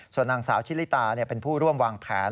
ส่วนนางสาวชิลิตาเป็นผู้ร่วมวางแผน